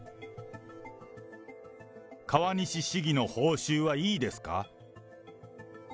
川西市議の報酬はいいですか。